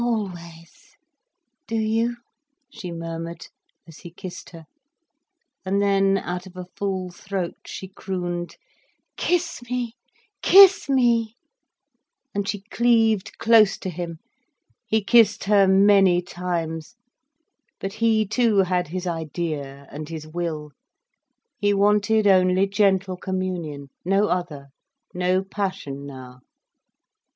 "Always! Do you?" she murmured, as he kissed her. And then, out of a full throat, she crooned "Kiss me! Kiss me!" And she cleaved close to him. He kissed her many times. But he too had his idea and his will. He wanted only gentle communion, no other, no passion now.